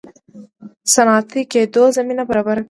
صنعتي کېدو زمینه برابره کړه.